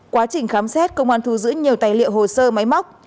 quá trình khám xét công an thu giữ nhiều tài liệu hồ sơ máy móc